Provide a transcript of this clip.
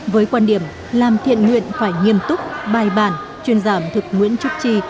với quan điểm làm thiện nguyện phải nghiêm túc bài bản chuyên giả ẩm thực nguyễn trúc trì